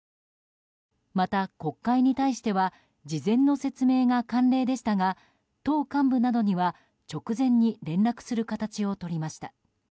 また国会に対しては事前の説明が慣例でしたが党幹部などには直前に連絡する形をとりました。